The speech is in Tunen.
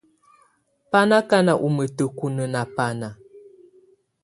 Bà nɔ̀ akana ù mǝtǝkunǝ nà bana.